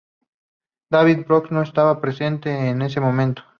David Brooks no estaba presente en ese momento.